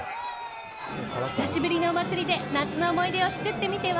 久しぶりのお祭りで夏の思い出を作ってみては？